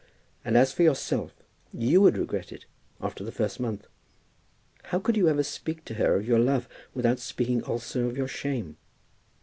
And as for yourself, you would regret it after the first month. How could you ever speak to her of your love without speaking also of your shame?